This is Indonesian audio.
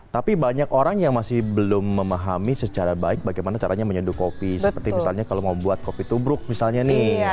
tapi banyak orang yang masih belum memahami secara baik bagaimana caranya menyeduh kopi seperti misalnya kalau mau buat kopi tubruk misalnya nih